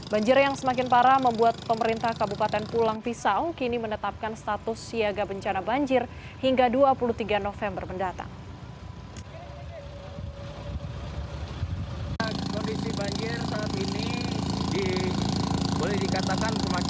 banjir yang semakin parah membuat pemerintah kabupaten pulang pisau kini menetapkan status siaga bencana banjir hingga dua puluh tiga november mendatang